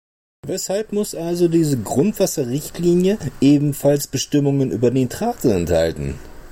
Weshalb muss also diese Grundwasserrichtlinie ebenfalls Bestimmungen über Nitrate enthalten?